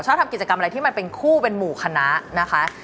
ทำกิจกรรมอะไรที่มันเป็นคู่เป็นหมู่คณะนะคะ